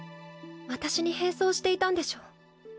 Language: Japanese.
私に変装していたんでしょ？